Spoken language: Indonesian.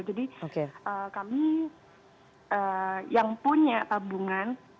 kami yang punya tabungan